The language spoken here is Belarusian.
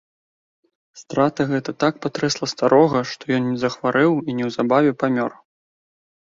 Страта гэта так патрэсла старога, што ён захварэў і неўзабаве памёр.